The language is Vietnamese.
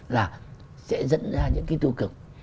là sẽ dẫn ra những cái tư cực